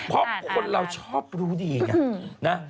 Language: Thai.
เพราะคนเราชอบรู้ดีไงนะ